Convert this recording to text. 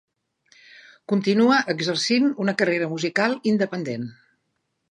Continua exercint una carrera musical independent.